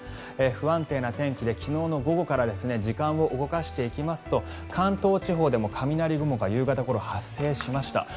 不安定な天気で昨日の午後から時間を動かしていきますと関東地方でも雷雲が夕方ごろ発生しました。